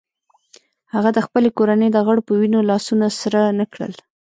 هغه د خپلې کورنۍ د غړو په وینو لاسونه سره نه کړل.